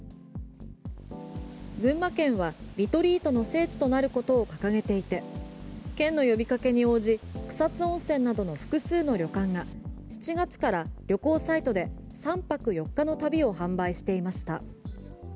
群馬県はリトリートの聖地となることを掲げていて県の呼びかけに応じ草津温泉などの複数の旅館が７月から旅行サイトで３泊４日の旅を販売していました。